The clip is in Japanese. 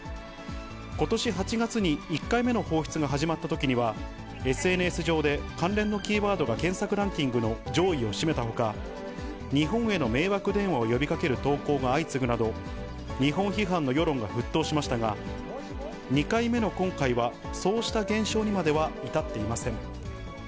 ことし８月に１回目の放出が始まったときには、ＳＮＳ上で関連のキーワードが検索ランキングの上位を占めたほか、日本への迷惑電話を呼びかける投稿が相次ぐなど、日本批判の世論が沸騰しましたが、２回目の今回は、そうした現象にまでは至っていません。